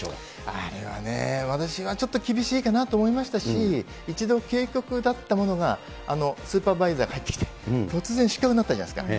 あれはねえ、私はちょっと厳しいかなと思いましたし、一度警告だったものが、スーパーバイザー帰ってきて、突然失格になったじゃないですか。